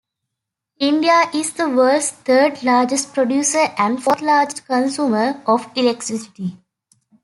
India is the world's third largest producer and fourth largest consumer of electricity.